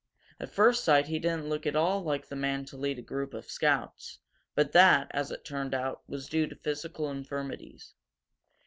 At first sight he didn't look at all like the man to lead a group of scouts, but that, as it turned out, was due to physical infirmities.